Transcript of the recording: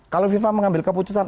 kalau fifa mengambil keputusan